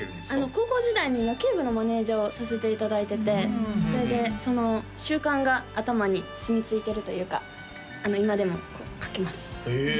高校時代に野球部のマネージャーをさせていただいててそれでその習慣が頭に染みついてるというか今でもこう書けますへえ